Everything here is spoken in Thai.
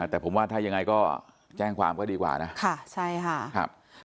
แต่ผมว่าถ้ายังไงก็แจ้งความก็ดีกว่านะ